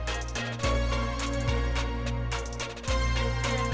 pangeran pt yang panggilanthere